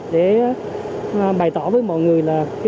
để bày tỏ với mọi người